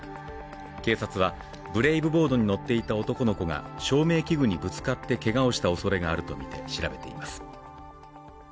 警察はブレイブボードに乗っていた男の子が照明器具にぶつかってけがをしたおそれがあるとみて調べています。